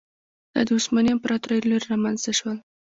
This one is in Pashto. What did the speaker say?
دا د عثماني امپراتورۍ له لوري رامنځته شول.